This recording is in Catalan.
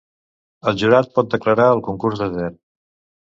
El jurat pot declarar el concurs desert.